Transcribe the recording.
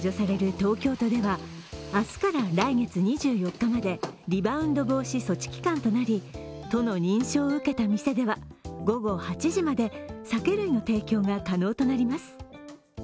東京都では明日から来月２４日まで、リバウンド防止措置期間となり、都の認証を受けた店では午後８時まで酒類の提供が可能となります。